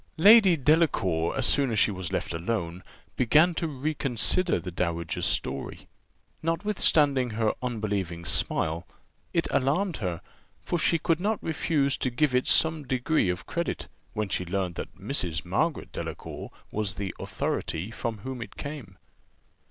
Lady Delacour, as soon as she was left alone, began to reconsider the dowager's story; notwithstanding her unbelieving smile, it alarmed her, for she could not refuse to give it some degree of credit, when she learnt that Mrs. Margaret Delacour was the authority from whom it came.